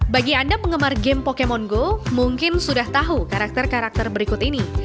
bagi anda penggemar game pokemon go mungkin sudah tahu karakter karakter berikut ini